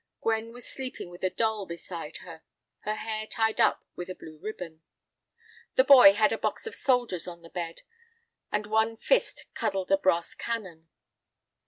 Gwen was sleeping with a doll beside her, her hair tied up with a blue ribbon. The boy had a box of soldiers on the bed, and one fist cuddled a brass cannon.